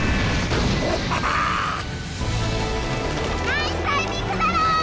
ナイスタイミングだろ！